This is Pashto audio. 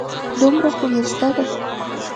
دومره خو مې زده ده.